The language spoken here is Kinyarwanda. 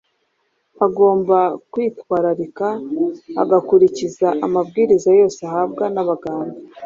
agomba kwitwararika agakurikiza amabwiriza yose ahabwa n’abaganga